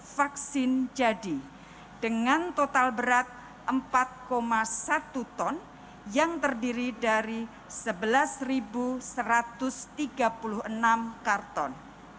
satu satu ratus tiga belas enam ratus vaksin jadi dengan total berat empat satu ton yang terdiri dari sebelas satu ratus tiga puluh enam karton